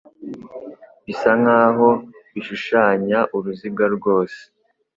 bisa nkaho bishushanya uruziga rwose